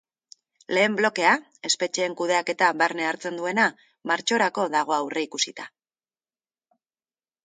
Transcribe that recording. Lehen blokea, espetxeen kudeaketa barne hartzen duena, martxorako dago aurreikusita.